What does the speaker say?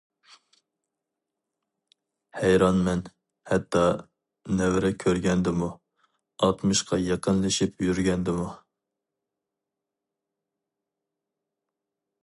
ھەيرانمەن ھەتتا نەۋرە كۆرگەندىمۇ، ئاتمىشقا يېقىنلىشىپ يۈرگەندىمۇ.